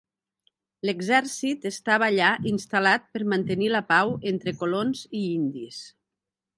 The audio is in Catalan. L'exèrcit estava allà instal·lat per mantenir la pau entre colons i indis.